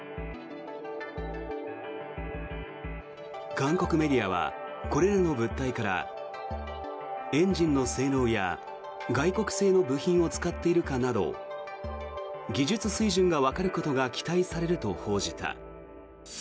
韓国メディアはこれらの物体からエンジンの性能や外国製の部品を使っているかなど技術水準がわかることが期待されると報じた。